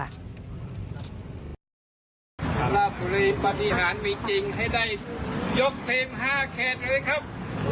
ราชบุรีปฏิหารมีจริงให้ได้ยกทีม๕เขตเลยครับ